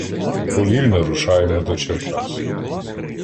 Повільно рушаємо до Черкас.